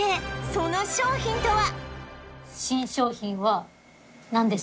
その商品とは？